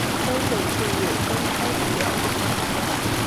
都能進入公開語料庫